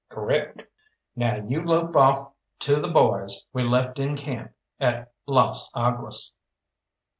"Correct. Now you lope off to the boys we left in camp at Las Aguas.